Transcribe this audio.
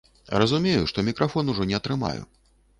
Разумею, што мікрафон ужо не атрымаю.